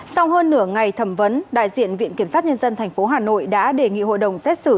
sau hơn nửa ngày thẩm vấn đại diện viện kiểm sát nhân dân tp hà nội đã đề nghị hội đồng xét xử